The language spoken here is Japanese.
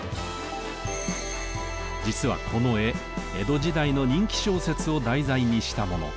実はこの絵江戸時代の人気小説を題材にしたもの。